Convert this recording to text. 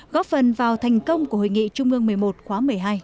góp phần vào thành công của hội nghị trung ương một mươi một khóa một mươi hai